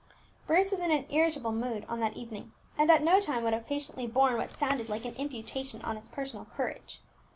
Bruce was in an irritable mood on that evening, and at no time would have patiently borne what sounded like an imputation on his personal courage.